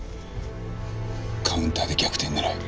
カウンターで逆転狙え。